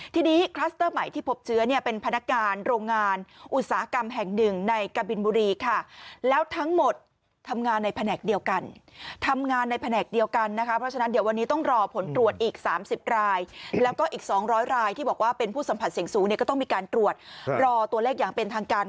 ทีนี้คลัสเตอร์ใหม่ที่พบเชื้อเนี่ยเป็นพนักงานโรงงานอุตสาหกรรมแห่งหนึ่งในกะบินบุรีค่ะแล้วทั้งหมดทำงานในแผนกเดียวกันทำงานในแผนกเดียวกันนะคะเพราะฉะนั้นเดี๋ยววันนี้ต้องรอผลตรวจอีก๓๐รายแล้วก็อีก๒๐๐รายที่บอกว่าเป็นผู้สัมผัสเสี่ยงสูงเนี่ยก็ต้องมีการตรวจรอตัวเลขอย่างเป็นทางการ